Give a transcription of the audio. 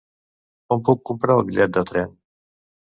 On puc comprar els bitllet de tren?